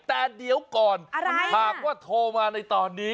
แต่เดี๋ยวก่อนหากว่าโทรมาในตอนนี้